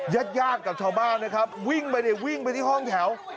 ยัดยากกับชาวบ้านนะครับวิ่งไปเลยวิ่งไปที่ห้องแถว